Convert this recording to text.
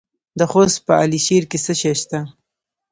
د خوست په علي شیر کې څه شی شته؟